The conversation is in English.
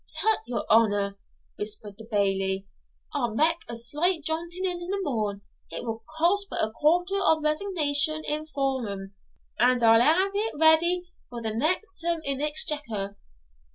'Tut, your honour!' whispered the Bailie, 'I'll mak a slight jotting the morn; it will cost but a charter of resignation in favorem; and I'll hae it ready for the next term in Exchequer.'